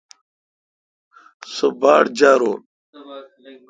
سو باڑجارون۔